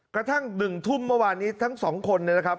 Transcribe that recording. กระทั่ง๑ทุ่มเมื่อวานนี้ทั้ง๒คนนะครับ